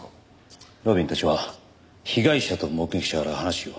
路敏たちは被害者と目撃者から話を。